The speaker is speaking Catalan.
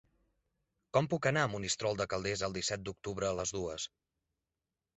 Com puc anar a Monistrol de Calders el disset d'octubre a les dues?